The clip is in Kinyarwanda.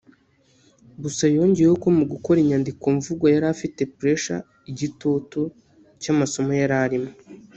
Gusa yongeyeho ko mu gukora inyandiko mvugo yari afite ‘Pressure’ (igitutu) cy’amasomo yari arimo